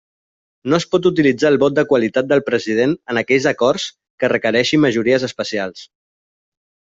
No es pot utilitzar el vot de qualitat del president en aquells acords que requereixin majories especials.